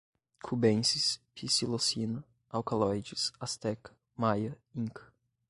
cubensis, psilocina, alcalóides, asteca, maia, inca